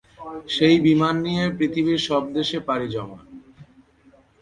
সেই বিমান নিয়ে পৃথিবীর সব দেশে পাড়ি জমান।